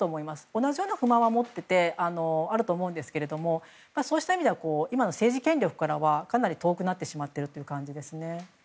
同じような不満はあると思うんですがそうした意味では今の政治権力からはかなり遠くなってしまっている感じですね。